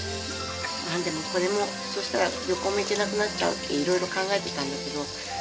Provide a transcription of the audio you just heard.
でもこれもそしたら旅行も行けなくなっちゃうって色々考えてたんだけど。